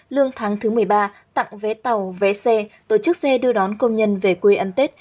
lương tháng thứ một mươi ba tặng vé tàu vé xe tổ chức xe đưa đón công nhân về quê ăn tết